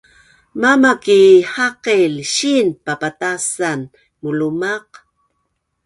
mama ki haqil siin papatasan mulumaq